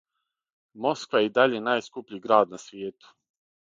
Москва је и даље најскупљи град на свијету.